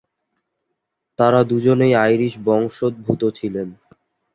তারা দুজনেই আইরিশ বংশোদ্ভূত ছিলেন।